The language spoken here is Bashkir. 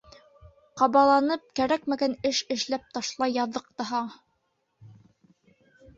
Ҡабаланып, кәрәкмәгән эш эшләп ташлай яҙҙыҡ таһа!